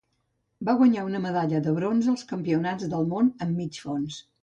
Va guanyar una medalla de bronze als Campionats del món en mig fons.